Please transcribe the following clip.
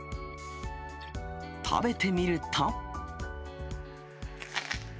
食べてみると。